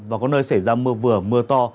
và có nơi xảy ra mưa vừa mưa to